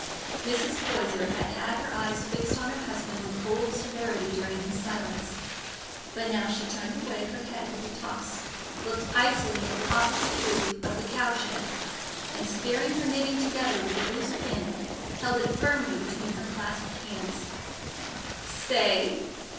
Mrs. Poyser had had her eyes fixed on her husband with cold severity during his silence, but now she turned away her head with a toss, looked icily at the opposite roof of the cow shed, and spearing her knitting together with the loose pin, held it firmly between her clasped hands. "Say?